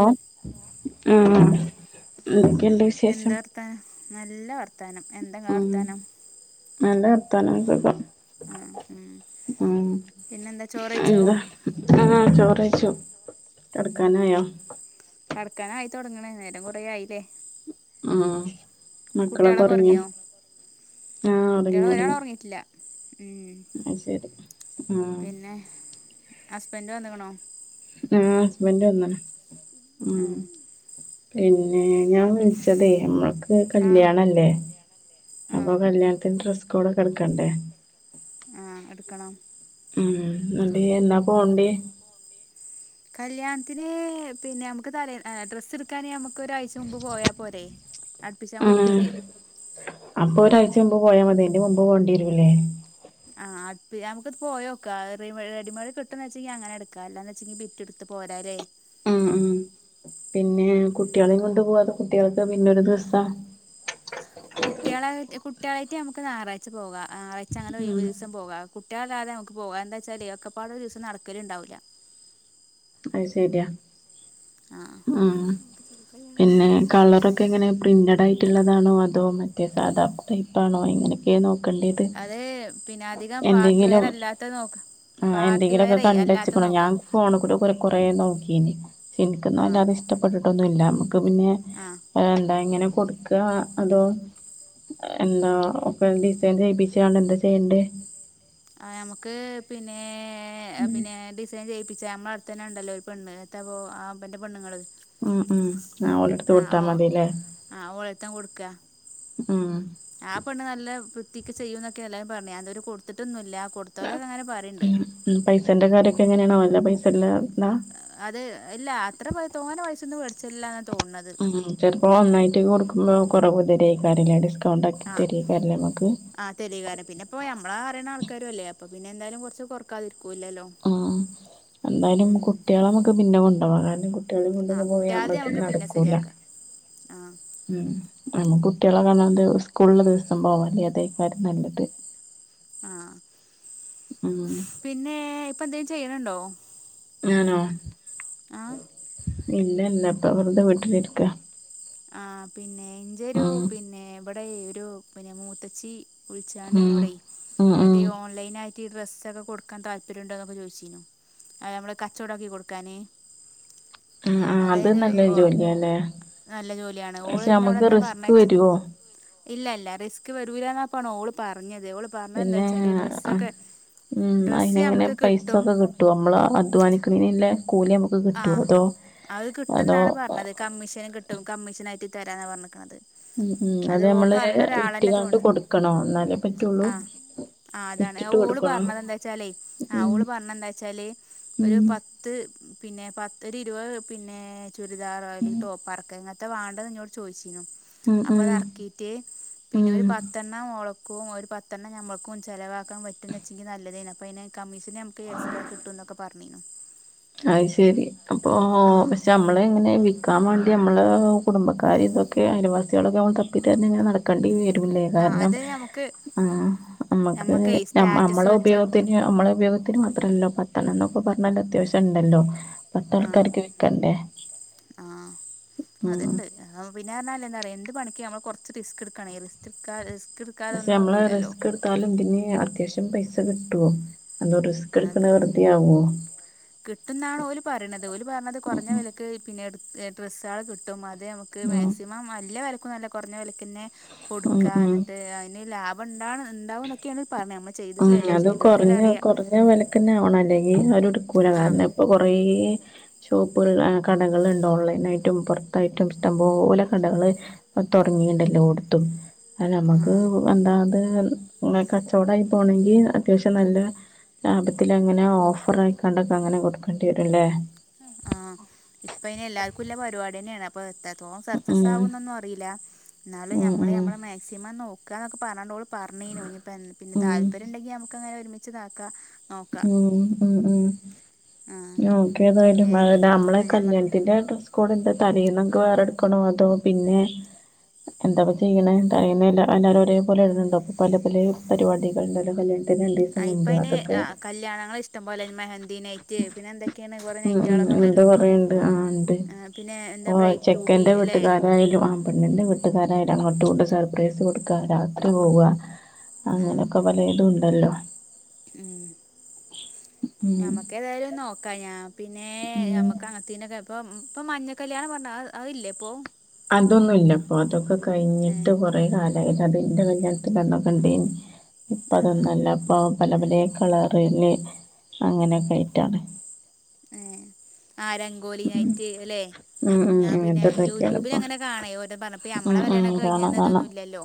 ആ ആ ആഹ് എന്തൊക്കെണ്ട് വിശേഷം എന്താ വർത്താനം നല്ല വർത്താനം എന്തെങ്കാ വർത്താനം പറഞ്ഞോക്കേക്കാം ആഹ് ഉം ഉ പിന്നെന്താ ചോറെയ്ച്ചോ എന്താ ആ ചോറ കിടക്കാനായോ കിടക്കാനായിത്തുടങ്ങണേ നേരം കുറേ ആയില്ലേ ആ മക്കളൊക്കെ കുട്ട്യാളൊക്കെ ഉറങ്ങിയോ ഒറങ്ങിയോ ആ ഉറങ്ങി കുട്ട്യാള് ഒരാള് ഉറങ്ങി ഒറങ്ങിയിട്ടില്ല ഉം അ ശരി ആ പിന്നെ ഹസ്ബൻഡ് വന്നകണോ ആ ഹസ്ബൻഡ് വന്ന് ഉം ആഹ് പിന്നെ ഞാൻ വിളിച്ചതേ നമ്മളക്ക് ആഹ് കല്യാണല്ലേ അപ്പൊ ആഹ് കല്യാണത്തിന് ഡ്രസ്സ് കൂടെ കിടക്കണ്ടേ ആ എടുക്കണം ണ്ട്എന്നാ പോണ്ടേ കല്യാണത്തിന് പിന്നെ നമുക്ക് തലേ ഡ്രസ്സ് എടുക്കാൻ നമുക്ക് ഒരാഴ്ച മുമ്പ് പോയാ പോരെ അടുപ്പിച്ചാൻ ആ കൊടുക്കല്ലേ അപ്പൊ ആഹ് ഒരാഴ്ച മുമ്പ് പോയാ മതി എന്റെ മുമ്പ് പോണ്ടിരുവൂല്ലേ ആ അത് നമുക്കത് പോയോക്കാം റെഡിമേഡ് കിട്ടന്ന് വച്ചി അങ്ങനെ എടുക്കാം അല്ലാന്ന് വെച്ചെ എടു പോരാല്ലേ ഉം ഉം പിന്നെ ഉം കുട്ടികളെയും കൊണ്ട് പോവാ കുട്ടികൾക്ക് പിന്നൊരു ദിവസം കുട്ടികളായി കുട്ടികളായിട്ട് നമുക്ക് ഞായറാഴ്ച പോകാം ഞായറാഴ്ച അങ്ങെ ഉം ഒഴിവ് ദിവസം പോകാം ഒറ്റാതാതെ നമുക്ക് പോകുക എന്താ വച്ചാൽ ഒക്കെപ്പാട് ഒരു ദിവസം നടക്കല ഉണ്ടാവില്ല അത് ശരിയാ ആഹ് ഉം പിന്നെ കളറൊക്കെ എങ്ങനെ പ്രിന്റഡ് ആയിട്ടുള്ളതാണോ അതോ മറ്റേ സാദാ ടൈപ്പ്ണോ ഇങ്ങനെയൊക്കെ നോക്ക അതെ പിന്നെ അധികം പാർട്ടിവെയർ അല്ലാത്ത നോക്കാം ആ പാർട്ടി എന്തെങ്കിലൊക്കെ വെയറേ അല്ലാത്ത കണ്ടെച്ചക്കണോ ഞാൻ ഫോണ് കൂടി കുറേ നോക്കീ ആഹ് നിക്കുന്നല്ലാതെ ഇഷ്ടപ്പെട്ടിട്ടൊന്നും ഇല്ല പിന്നെ ആഹ് എന്താ ഇങ്ങനെ കൊടുക്കുക അതോ എന്താ ഒക്കെ ഡിസൈൻ ചെയ്യിപ്പിച്ചാണ് എന്താ ചെയ്യണ്ടേ ആ ഞമുക്ക് പിന്നെ പിന്നെ ഡിസൈൻ ചെയ് പ്പിച്ചാ നമ്മാ അടുതന്നെ ഉണ്ടല്ലോ പെണ്ണ് [unintelligible] ആ എൻറെ പെണ്ണുങ്ങള് ഉം ഉം ആ ഓടെടുത്ത് ആഹ് വിട്ടാ ഓ മതില്ലേ ആഹ് ഓളെടുത്താ കൊടുക്ക ഉം ആ പെണ് നല്ല വൃത്തിക്ക് ചെയ്യും എന്നൊക്കെ എല്ലാവരും പറഞ്ഞ് ഞാ ഇതുവരെ കൊടുത്തിട്ടൊന്നും ഇല്ല ഉം പൈസേന്റെ കാര്യൊക്കെ എങ്ങനെയാണ് ഓൻ്റ പൈസല്ല എന്താ അത് ഇല്ല അത്ര പ തോനെ പൈസൊന്നും മേടിച്ചില്ല അ ഉ ചിലപ്പോ ഒന്നായിട്ട് കൊടുക്കുമ്പോ കൊറെ കുതിരി ആയിക്കാറ ലേഡീസ് ആ ആ തെരി കാരണം പിന്നെപ്പോ നമ്മള അറിയണ ആൾ ആക്കാരുംല്ലേ അപ്പ പിന്നെ എന്താലും കുറച്ച്റക്കാതി ആ എന്തായാലും ഉം കുട്ടികളെ നമ്മുക്ക് പിന്നെ കൊണ്ടുപോവാ കാരണം കുട്ടികളെ കൊണ്ടൊക്കെ ആഹ് പോയി കുട്ടിയാൾത് നമ്മളൊക്ക നമുക്ക് പിന്നെ നടക്കൂല ശരിയാക്കാം ആഹ് ഉം നമ്മ കുട്ടികളെ കാണാണ്ട് ഉസ്കൂളിള്ള ദിവസം പോവാല്ലേ അതേ കാര്യം നല്ലത് ആ ഉം പിന്നെ ഇപ്പ എന്തെലും ചെയ്യണണ്ടോ അണോ? ഇല്ല ഇല്ല പ്പൊ വെർതെ വീട്ടിലിരിക്ക. ആ പിന്നെ ഞ്ചോരു ഉം പിന്നെ വടെയ് ഒരു പിന്നെ മൂത്തച്ചി വിളിച്ചാണ്ട് ഉം ഞോടെയ് ഉം ഉം മറ്റേ ഓൺലൈനായി ഈ ഡ്രസ്സ ഒക്കെ കൊടുക്കാൻ താല്പര്യ ണ്ടോന്നൊക്കെ ചോയ്ച്ചിനു അ ഞമ്മളെ കചോടാക്കി കൊടുക്കാന് മ് മ് അത് അതായത് നല്ല ഓ ജോലില്ലേ? നല്ല ജോലിആണ് ഓള് ന്നോട് എന്താ പർണെച്ചാ വരുവോ ഇല്ല ഇല്ല റിസ്ക് വെരൂല്ലന്നപ്പാണ് ഓള് പറഞ്ഞത് ഓള് പർണെന്താ പിന്നെ ച്ചാല് വ ഡ്രസ്സൊക്കെ ഉം ഡ്രസ്സ് അയിനെങ്ങനെ നമുക്ക് കിട്ടും പൈസൊക്കെ കിട്ടോ മ്മള് അധ്വാനിക്ണ്ന് ല്ലേ.? ആ്അഹ് അതോ കിട്ടുന്നാണ് പറണത് കമ്മീഷന് കിട്ടും കമ്മീഷനായിറ്റ് തെരാന്നാ പറണ്ക്കണത്. ഉം ഉം അത് ഞമ്മള് വിറ്റ്കാണ്ട് തോന്നുന്നു കൊടുക്കണോ ന്നാലെ പറ്റുള്ളൂ? ആ അതാണ് വിറ്റിട്ട് ഓള് കൊടുക്കണോ പറണെതെന്താ ച്ചാലേ ആ ഉം ഓള് പർണന്താ ച്ചാല് ഒരു ഉം പത്ത് പിന്നെ പത്ത് ര് ഇരുവ ഹ് പിന്നെ ചുരിദാറോ ല്ലെങ്കി ടോപ്പർക്ക ങ്ങത്തെ വൺണ്ട എന്നോട് ചോയ്ച്ച് ഉം അ പ ഉം തർകീറ്റ് പിന്നെ ഉം രു പത്തെണ്ണം ഓ ളു കു ഒരു പത്തെണ്ണം ഞമ്മക്കും ചെലവാക്കാ പറ്റുംന്ന് വെച്ചെങ്കി നല്ലതേനി അപ്പ ഐന് കമ്മീഷന് അമക്ക് എക്സ്ട്രാ കിട്ടു ക്കെ പറണീനു അത് ശരി അപ്പോൊ പശെ അമ്മളെ ഇങ്ങനെ വിൽക്കാ വേണ്ടി അമ്മളെ കുടുംബക്കാര് ഇതൊക്കെ അയലിവാസ്യേ ളൊ [unintelligible] തപ്പി തെര്ഞ്ഞ് ഇങ്ങനെ നടക്കേണ്ടി വെരുലെ ആഹ് കാര്ണം അത് നമുക്ക് ആ അമ്മക്ക് ഞമ്മക്കേ സ്റ്റാറ്റസ് അമ്മളു വെച്ച ഉപയോത്തിന് അമ്മളെ ഉപയോഗത്തിന് അല്ലോ പത്തെണം ന്നൊക്കെ പർണ ണ്ട ത്യാവശ്യം ണ്ടല്ലോ. ആഹ ആഹ് ഉം അത്ണ്ട് അ പിന്നർ എന്താറ് യോ ന്ത് പണിക് അമ്മള് കൊറച്ച് ട്ടിസ്ക് എടുകാണെകിൽ തൃ കാ ൽ സ് ഷെ മ്മള് റിസ്ക് ട്താലും ന്തേങ്കി അത്യാശ്യം പൈസ കിട്ടോ? അ [unintelligible] റിസ്ക് എടുക്ക്ന്നെ വെറുതെ ആവോ? കിട്ടുംന്നാണ് ഓല് പറ്ണത് ഓല് പർണത് കൊർഞ്ഞ വെലക്ക് പിന്നെ ട് ക് ഡ്രസ്സ ആ കിട്ടും മാ ഞമ്മക്ക് ഉം മാക്സിമം വല്ല്യ വെലക്കൊന്നുംല്ല കൊറഞ്ഞ വെലകെന്നെ ഉം കൊടുക്ക ഉം ന്നിട്ട് ഐ ന് ലാ ണ്ടാണ് ണ്ടാവോ ന്നൊക്ക്യണ്. ആ ഞത് കൊറഞ്ഞ കൊറഞ്ഞ വെലകെന്നെ ആവണം ലെയ്യ് ഓലോഡ് ക്കൂല ആഹ് കാരണ ഇപ്പൊ കൊറേ ഷോപ്പുകൾ അ കടകള്ണ്ടോ ഓൺലൈന യിറ്റും പൊർത്തായിറ്റും ഇഷ്ടംപലെ കടകള് ഹ് തോടങ്ങിണ്ടല്ലോ ല്ലോട്ത്തും അ ഞമുക്ക് ആഹ് എന്താത് കചോടായി പോണങ്കിൽ അത്യാവശ്യം നല്ല ലാഭത്തില ങ്ങനെ ഓഫർ ആയിക്കണ്ടത അങ്ങനെ ടുക്കേണ്ടിരും ലെ? ആഹ ഇപ്പൊ ഇെ എല്ലാര്ക്കുല്ല പരിപാടി ന്നെണ് അപ്പൊ എത്ത എോ സക്സസ് ഉം ആകുന്നൊന്നും അറിയില്ല ന്നാലും ഉം ഞമ്മള് ഉം ഞമ്മളെ മെക്സിമം നോക്ക ന്നൊക്കെ പർണണ്ടോള് പറണീനു ഞ്ഞിപ്പോ എ പിന്നെ ഉം താല്പര്യം ണ്ടെങ്കി അമക്ക് അങ്ങനെ ഒരുമിച്ച്താക്കാ മ് ഹ് മ് മ് ആഹ് നോക്യ തയിട്ട് പിന്നെ [unintelligible] അമ്മളെ ഞമ്മള് കല്യാൺത്തിന്റെ ഡ്രസ്സ്‌ കൊ ട് ന്റെ തലയിന്നൊക്കെ വേറെടുക്കണോ അതോ പിന്നെ എന്താപ്പ ചെയ്യ്ണെ കഴിയ്ന്നെ ല്ല എല്ലാരു ഒരേപോലെ ഇട്ണണ്ടോ പ്പൊല്ലെ പലെ പലെ പരിപാടി കൾണ്ടല്ല പലേ അ രണ്ടീസം മുമ്പ തൊക്കെ കല്യാണങ്ങൾ ഇഷ്ടം പോലെ മെഹന്തി നെയ്റ്റ് പിന്നെ എന്തൊക്കെണ് കൊറെേ നയ്റ്റുകളെക്കെ ഒണ്ടല്ലോ ഓ ചെക്കന്റെ വീട്ട്കാരായാലും ആമ്പെണ്ണിന്റെ വീട്ട്കാരായിട് അങ്ങോട്ടു ണ്ട് സർപ്രൈസ് കൊടുക്കുക രാത്രി പോവ അങ്ങനോക്കെ പലെ തും ണ്ടല്ലോ മ് [unintelligible] ഞമ്മകെ തായാലും നോക്കാ ഞാ പിന്നെ ഉം ഞമ്മക്ക് അങ്ങത്തെ ന് ക്കെ ഇപ്പം ഇപ്പൊ മഞ്ഞക്കല്യാണ പർണ അ അഹ് ല്ലെ പ്പൊ? അതൊന്നുല്ലപ്പൊ അതൊക്കെ ഏ കഴിഞ്ഞിട്ട് കുറെ കാലായി അതിന്റെ കല്യാണത്തിന്റന്നൊക്കെണ്ടേയ് നി ഇപ്പ ആ അതൊന്നുംല്ല ഇപ്പൊ പല പല കളറില് അങ്ങനെയൊക്കായിട്ടാണ് ഏ ആ രംഗോലി നെയിറ്റ് ല്ലെ. ഉം ഉം ഞാൻ പിന്നെ അങ്ങനത്തെതൊക്കെയാണ് യൂട്യൂബിൽ ഇപ്പൊ അങ്ങനെ കാണേ ഓരോ പറഞ്ഞപ്പ ഉം ഞമ്മളെ ഉം കല്യാണൊകെ കാണാം കഴിഞ്ഞപ്പ കാണാം തൊന്നുല്ലല്ലോ.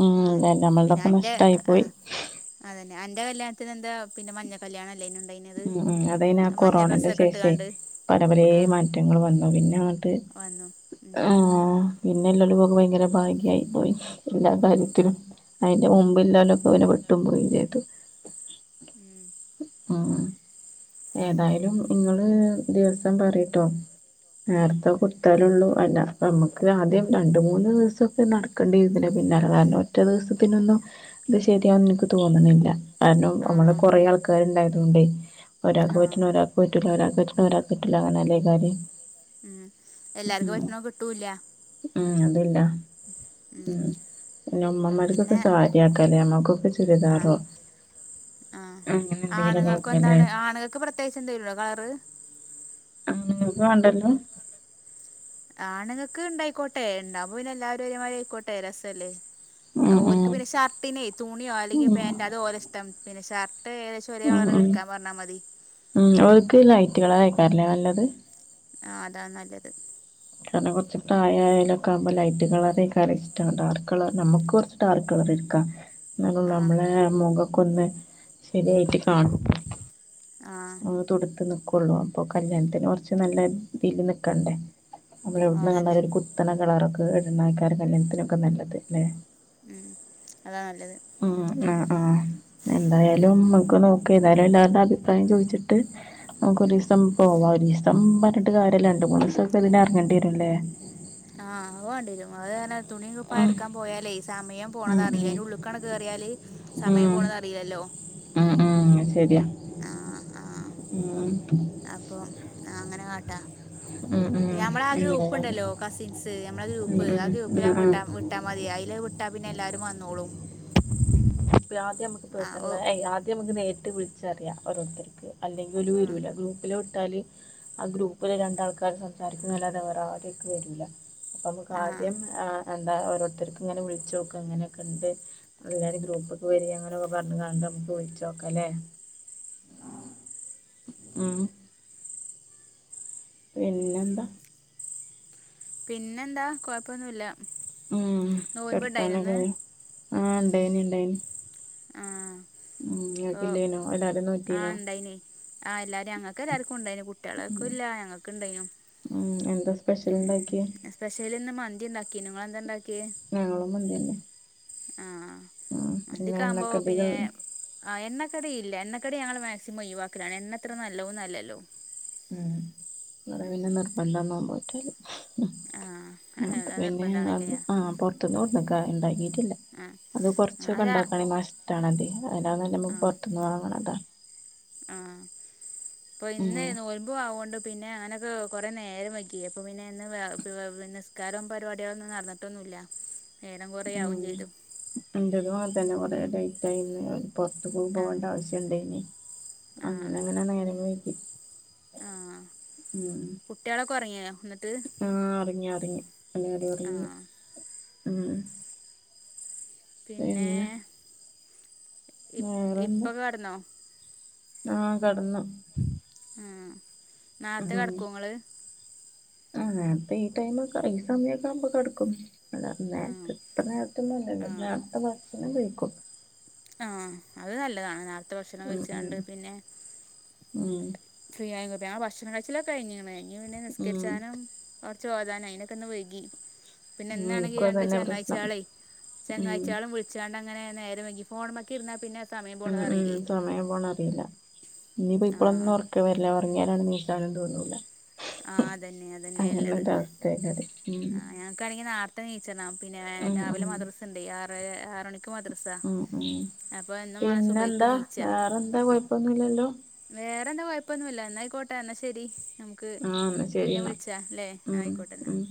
ഉം ല്ല നമ്മളുടെൊക്കെ നഷ്ടായി പോയി. അതന്നെ അന്റെ കല്യാണത്തിന് എന്താ പിന്ന മഞ്ഞ കല്യാണല്ലെ ഇണ്ടെയ് ഉം ഉ അതൈ ന കൊറോണന്റെ ശേഷേ ഇട്ടുകാണ്ട് പല പലേ ആ മാറ്റങ്ങൾ വന്നു പിന്നെ വന്നു ഉം ആഹ് പിന്നെ ഉള്ളവർക്ക് ഭയങ്കര ഭാഗ്യായി പോയി എല്ലാ കാര്യത്തിലും. അതിന്റെ മുമ്പിലോ ലൊക്കെ അവനെ പെട്ടും പോയി ചെയ്തു. ഉം ഉ ഏതായാലും ഇങ്ങള് ദിവസം പറയിട്ടോ? ഉം നേരത്തെ കൊടുത്താലൊള്ളൂ. നമ്മുക്ക് ആദ്യം രണ്ട് മൂന്ന് ദിവസൊക്കെ നടക്കേണ്ടിവരും ഇതിന്റെ പിന്നാല കാരണം ഒറ്റ ദിവസത്തിനൊന്നും. അത് ശരിയാ എനിക്ക് തോന്നുന്നില്ല കാരണം ആ നമ്മള് കൊറെ ആൾക്കാര്ണ്ടായി അ ഒരാക്ക് ആ പറ്റണത് ഒരാക്ക് പറ്റില്ല അങ്ങനെ അല്ലേ കാര്യം. എല്ലാർക്കും പറ്റണ കിട്ടൂ ഇല്ല. അതല്ല ഉം പി ഉമ്മമാർക്കൊക്കെ പിന്നെ സാരിയാക്കല്ലേ ഞമ്മക്കൊക്കെ ആ ചുരിതാറോ? ആ ആണുങ്ങൾക്ക് എന്താണ് ആണുകൾക്ക് പ്രത്യേകിച്ച് എന്തേലുണ്ടോ കളറ്? ആണ്ങ്ങക്ക് വാണ്ടല്ലോ? ആണുങ്ങക്ക് ഇണ്ടായിക്കോട്ടെ ഉണ്ടാവുപോ പിന്നെ എല്ലാരും ഒരേ മാതിരി ആയിക്കോട്ടെ രസല്ലേ? ഉം ഉം ഓൽക്ക് പിന്നെ ഷർട്ടിനെ തുണിയോ ഉം അല്ലെങ്കിൽ പാൻ്റ് ഉം അതോ ഓലെ ഇഷ്ടം പിന്നെ ഷർട്ട് ട്ട് ഏകദേശം ഒരേ കളർ ഉം എടുക്കാൻ പറഞ്ഞാൽ മതി. ഉം ഓർക്ക് ലൈറ്റ് കളറാക്കാരുംല്ലേ നല്ലത്? ആ അതാണ് നല്ലത്. കാരണം കുറച്ച് പ്രായ ആയാലൊക്കെ ആകുമ്പോ ലൈറ്റ് കളറേക്കാരും ഇഷ്ട ഡാർക്ക് കളർ നമ്മുക്ക് കുറച്ച് ഡാർക്ക് കളർ. കളറിട്ക്ക. എന്നാല ആ നമ്മളെ മുഖക്കൊന്ന് ശരിയായിട്ട് കാണും. ആ തുടുത്ത് നിക്കുള്ളൂ അപ്പൊ കല്യാണത്തിന് കൊറച്ച് നല്ല രീതിൽ നിക്കണ്ടേ? നമ്മളെവിടന്ന് കണ്ടാല അതന്നെ ഒരു കുത്തന കളറൊക്കെ ഇടുന്ന തേക്കാരും കല്യാണത്തിനൊക്കെ നല്ലത് അല്ലെ? ഉ അതാണ് നല്ലത് ഉം ആഹ് ആഹ് എന്തായാലും മക്ക് നോക്കാം ഏതായാലും എല്ലാവരുടെ അഭിപ്രായം ചോദിച്ചിട്ട്. ഉം നമുക്കൊരീസം പോവാം ഒരു ദിവസം പറഞ്ഞിട്ട് കാര്യല്ല രണ്ട് മൂന്ന് ദിവസൊക്കെ ഇതിനെ ഇറങ്ങേണ്ടി വരുംല്ലേ? ആഹ് അത് കണ്ടിരും അത് തുണിപ്പാ ഉം എടുക്കാൻ പോയാലേ സമയം പോണത് ഉം അറിയില്ല അതിന്. ഉം ഉുള്ളുക്കാണ് കേറിയ സമയം പോണതറില്ലല്ലോ. ആ ശരിയാ മ് അപ്പൊ അങ്ങനെ കാട്ടാ ഉ പിന്നെ നമ്മളെ ആ ഗ്രൂപ്പ്ണ്ടല്ലോ കസിൻസ് നമ്മള ഉം ഗ്രൂപ്പ് ഉം ആ ഗ്രൂപ്പിൽ ഉം ഞൻ വി ഉം വിട്ടാൽ മതി അതില് വിട്ട പിന്നെ എല്ലാവാരും വന്നോളും. ആദ്യമ്മക്ക് ആ ഓ പേഴ്സണലായി ആദ്യ നമ്മക്ക് നേരിട്ട് വിളിച്ചറിയാം ഓരോരുത്തർക്ക് അല്ലെങ്കിൽ ഓല് ആ വരൂല്ല ഗ്രൂപ്പില വിട്ടാല് ആ ഗ്രൂപ്പില രണ്ടാൾക്ക് സംസാരിക്കുന്നല്ലാതെ വേറാരു വരൂല അപ്പ നമ്മുക്ക് ആ ആദ്യം എന്താ ഓരോരുത്തർക്കും ഇങ്ങനെ വിളിച്ച് നോക്ക ഇങ്ങനെയൊക്കെ ഉണ്ട് എല്ലാ രും ഗ്രൂപ്പ് വരി അങ്ങനൊക്കെ പറഞ്ഞ് കാണ്ട് നമ്മക്ക് വിളിച്ചോക്കല്ലേ? മ് പിന്നെന്താ പിന്നെന്താ കൊഴപ്പൊന്നുല്ല. ഉം കെടക്കാനൊക്ക ആയോ ആ ഇണ്ടായിന ഇണ്ടായിന് ആഹ് ഉം ങ്ങക്കില്ലേനോ എല്ലാരും നോറ്റീനോ ആഹ്ല്ലാരും ഞങ്ങക്കല്ലാർക്കും ഉണ്ടായിനും കുട്ടികളക്കും ഇല്ല ഞങ്ങക്കക്ക് ഇണ്ടായിനു ഉം എന്താ സ്പെഷ്യൽ ഉ ഇണ്ടാക്കിയെ സസ്പെഷ്യല ഇന്ന് മന്തിണ്ടാക്കിനു നിങ്ങള ഞങ്ങളും മന്ത്യന്നെ ആ മന്തിക്കാവുമ്പോ പിന്നെ എണ്ണക്കടികൾ ആ എണ്ണക്കടി ഇല്ല എണ്ണക്കടി ഞങ്ങ മയ്വാക്കലാണ് എണ്ണ അത്ര നല്ലോന്നല്ലല്ലോ ഉം വിടെ പിന്നെ നിർബന്ധാ നോംപോറ്റല് ആ അ അത് പിന്നെ നിർബന്ധമാണല്ലേ ആ പുൊറത്തന്ന് ഓൊക്കെ ഉണ്ടാക്കി ആ അത് കുറച്ചൊക്കെ അല്ല കണ്ടാക്കണ ഈ മാഷട്ടണതി അതിനകല്ല പുറത്തുന്ന് വാങ്ങണ അതാ ആഅപ്പൊ ഉം ഇന്ന് നോൽമ്പോ ആവൊണ്ട് പിന്നെ അങ്ങനെയൊക്കെ കുറേ നേരം വയ്ക്കി അപ്പൾ പിന്നെ എന്ന് നിസ്കാരവും പരിപാടികള ഒന്നും നടന്നിട്ടൊന്നും അല്ല ഉം എന്റെതു അതന്നെ കൊറടായി ടൈം പുൊറത്തൂടി ആ പോകേണ്ട ആവശ്യംുണ്ട്േന് ആ അങ്ങനെ അങ്ങനാണ്ങ്ങന വൈകി ആ കുട്ടികളൊക്കെ ഉറങ്ങിയ ആ അറിങ്ങു അറിങ്ങ എല്ലര ആ ഉറങ്ങി ഉം പിന്നെ ഇ ഇപ്പൊെ കടന്നോ ആകടന്നു നാത്തെ കിടക്കുംങ്ങള് ആ അതെ ഈ ടൈമൊക്കെ ഈ സമയൊക്കെ ആവുമ്പോ കെട്ക്കും അല്ല ആ നേരത്തെ ഇത്ര നേരത്തെ ഒന്നും അല്ലല്ല നേരത്തെ ഭക്ഷണം കഴിക്കും ആ അത് നല്ലതാണ് നേരത്തെ ഭക്ഷണം ഉം കഴിച്ചണ്ട് പിന്നെ ഉം ഫ്രീ ആയ കു പച്ചി ആ ഭക്ഷണം കഴിച്ചിലൊക്കെ കഴഞ്ഞ മ പിന്നെ ഉം നിസ്കരിച്ചാനും ചോദാന അയിനക്കെ ഒന്ന് വൈകി പിന്നെ ഉം ഇന്നാണെങ്കി ഇൻക്കും രണ്ട് അതന്നെ പ്രശ്നം ചങ്ങാ്ച്ചാള ഉം ചങ്ങാ്ച്ചാളും വിളിച്ചാണ്ട അങ്ങന നേരം വൈകി ഫോണിമ്മ ക്കെ ഇര്ന്നാ പിന്നെ സമയം ഉം പോണത് ഉം അറിയില്ലേ സമയം പോണ അറില്ല ഇനിയിപ്പ ആഹ് ഇപ്പളൊന്നും ഒർക്ക വര് ല്ല ങ്ങിയാലേണെ നീച്ചാംനും തോന്നൂില്ല ആ അതന്നെ അതന്നെയ ള്ളത് അങ്ങനൊരവസ്ഥേക്കാരം ഉം ആ ഞങ്ങക്കാണെങ്ക നാ ർത്തെ നീച്ചണം പിന്നെ ഉം രാവിലെ മദ്രസ ണ്ടെയ് ആറര ആറണിക്ക് ഉ ഉം മാണം പിന്നെ സുബൈക്ക് എന്താ വേറെന്താ കുഴപ്പൊന്നുംില്ലല്ലോ വേറെ എന്താ കൊഴപ്പൊന്നുല്ല എന്നായിക്കോട്ടെ എന്നാ ശരി നമുക്ക് ആഹ് ന്നാ ശരി പിന്നെ ന്നാ വിളിച്ചാ ല്ലേ ഉം ആയിക്കോട്ടെ ന്നാ ഉം